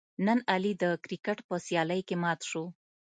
نن علي د کرکیټ په سیالۍ کې مات شو.